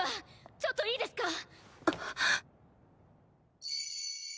ちょっといいですか⁉っ！